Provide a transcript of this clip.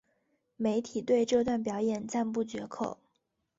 媒体对这段表演赞不绝口。